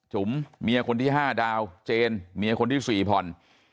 จุ๋มเมียคนที่๕ดาวเจนเมียคนที่๔ผ่อน